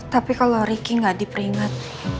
tapi kalau ricky gak diperingat